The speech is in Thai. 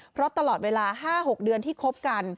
เพราะตลอดเวลา๕๖เดือนที่คบกัน